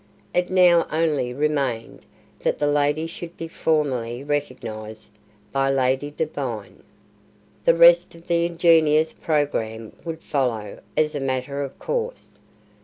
It now only remained that the lady should be formally recognized by Lady Devine. The rest of the ingenious programme would follow as a matter of course.